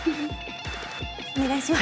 お願いします。